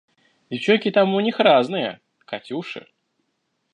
Девчонки там у них разные… Катюши!